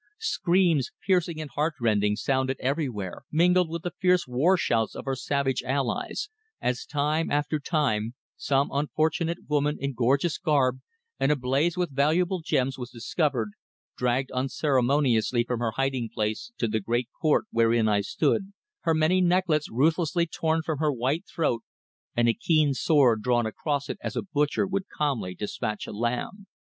Screams, piercing and heart rending, sounded everywhere, mingled with the fierce war shouts of our savage allies, as, time after time, some unfortunate woman in gorgeous garb and ablaze with valuable gems was discovered, dragged unceremoniously from her hiding place to the great court wherein I stood, her many necklets ruthlessly torn from her white throat and a keen sword drawn across it as a butcher would calmly despatch a lamb.